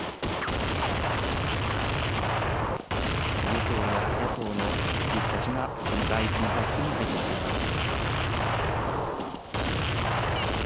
与党や野党の理事たちがこの第１委員会室に入ってきています。